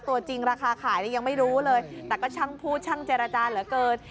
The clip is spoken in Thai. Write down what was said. ตัวจริงราคาขายเนี่ยยังไม่รู้เลยแต่ก็ช่างพูดช่างเจรจาเหลือเกิน